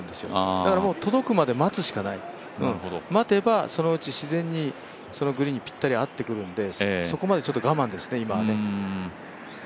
だから届くまで待つしかない、待てばそのうち自然にそのグリーンにぴったり合ってくるのでそこまでちょっと我慢ですね、今はね。